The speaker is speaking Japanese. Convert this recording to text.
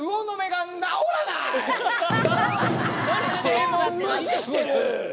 でも無視してる！